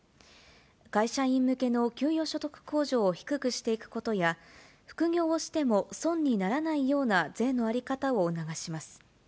会社員向けの給与所得控除を低くしていくことや、副業をしても損にならないような税の在り方を促します。